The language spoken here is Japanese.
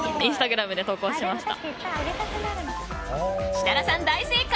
設楽さん、大正解！